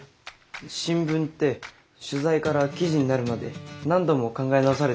新聞って取材から記事になるまで何度も考え直されてるんだね。